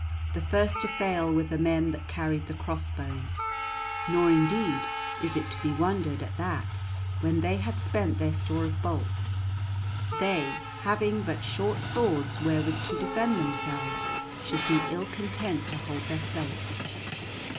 The first to fail were the men that carried the cross bows; nor, indeed, is it to be wondered at that when they had spent their store of bolts, they, having but short swords wherewith to defend themselves, should be ill content to hold their place.